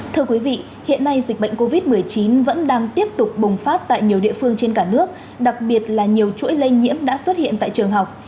thưa quý vị hiện nay dịch bệnh covid một mươi chín vẫn đang tiếp tục bùng phát tại nhiều địa phương trên cả nước đặc biệt là nhiều chuỗi lây nhiễm đã xuất hiện tại trường học